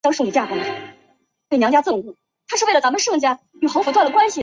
襄城县是中华人民共和国河南省许昌市下属的一个县。